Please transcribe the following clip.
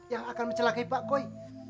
yang akan mencelaki pak koi